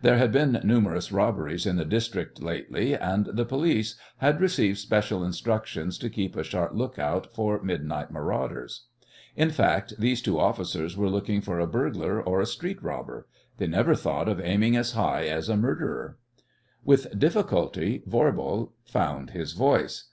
There had been numerous robberies in the district lately, and the police had received special instructions to keep a sharp look out for midnight marauders. In fact, these two officers were looking for a burglar or a street robber. They never thought of aiming as high as a murderer. With difficulty Voirbo found his voice.